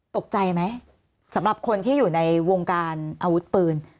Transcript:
ตกใจไหมสำหรับคนที่อยู่ในวงการอาวุธปืน